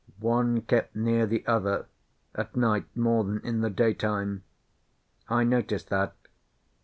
One kept near the other, at night more than in the daytime. I noticed that.